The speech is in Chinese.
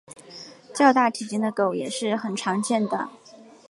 较大体型的狗也是很常见的。